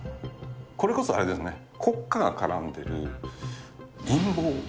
これこそあれだよね、国家が絡んでる陰謀。